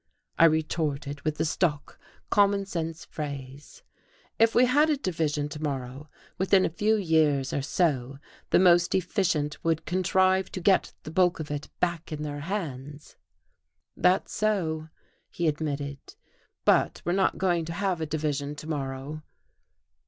I retorted with the stock, common sense phrase. "If we had a division to morrow, within a few years or so the most efficient would contrive to get the bulk of it back in their hands." "That's so," he admitted. "But we're not going to have a division to morrow."